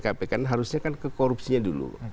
kpk kan harusnya kan ke korupsinya dulu